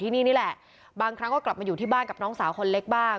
ที่นี่นี่แหละบางครั้งก็กลับมาอยู่ที่บ้านกับน้องสาวคนเล็กบ้าง